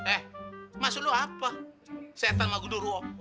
eh maksud lu apa setan sama genderuwo